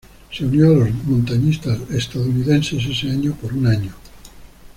Se unió a los montañistas estadounidenses ese año por un año.